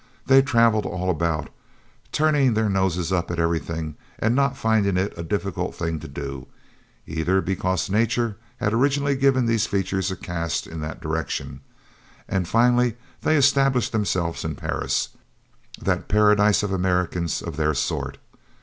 They traveled all about, turning their noses up at every thing, and not finding it a difficult thing to do, either, because nature had originally given those features a cast in that direction; and finally they established themselves in Paris, that Paradise of Americans of their sort.